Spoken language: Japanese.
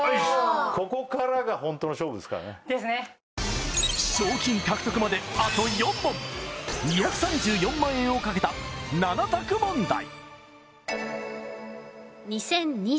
ここからが賞金獲得まであと４問２３４万円をかけた７択問題